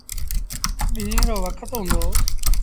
ڏيٚݩهݩ رو وکت هُݩدو۔